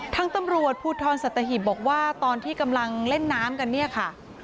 ทางตำรวจภูทรสัตหิบบอกว่าตอนที่กำลังเล่นน้ำกันเนี่ยค่ะ